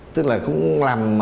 tức là cũng làm